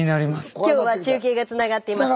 今日は中継がつながっています。